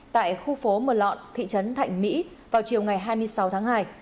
tại khu phố mờ lọn thị trấn thạnh mỹ vào chiều ngày hai mươi sáu tháng hai